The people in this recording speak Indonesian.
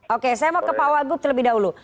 oke saya mau ke pak wagub terlebih dahulu